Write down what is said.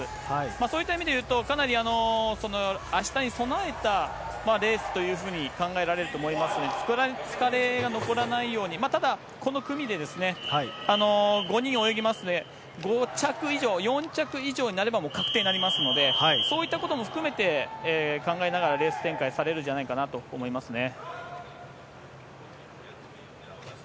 そういった意味でいうと、かなりあしたに備えたレースというふうに考えられると思いますので、疲れが残らないように、ただ、この組で５人泳ぎますので、５着以上、４着以上になれば確定ですので、そういったことも含めて考えながらレース展開されるんじゃないかと思いますね。